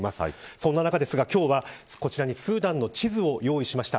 そんな中ですが今日はこちらにスーダンの地図を用意しました。